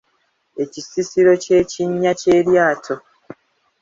Ekisisiro ky'ekinnya ky’eryato.